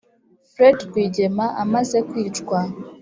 fred rwigema amaze kwicwa